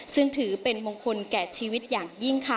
ซึ่งถือเป็นมงคลแก่ชีวิตอย่างยิ่งค่ะ